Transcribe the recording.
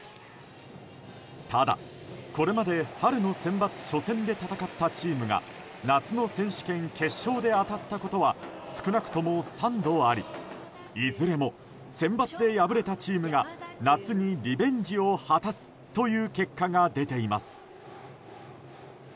ただ、これまで春のセンバツ初戦で戦ったチームが夏の選手権決勝で当たったことは少なくとも３度ありいずれもセンバツで敗れたチームが夏にリベンジを果たすという結果が出ています。